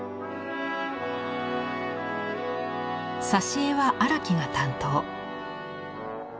挿絵は荒木が担当。